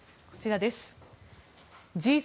こちらです。